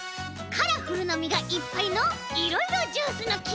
カラフルなみがいっぱいのいろいろジュースのき！